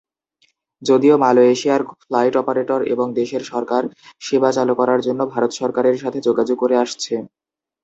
যদিও মালয়েশিয়ার flight operator এবং দেশের সরকার সেবা চালু করার জন্য ভারত সরকারের সাথে যোগাযোগ করে আসছে।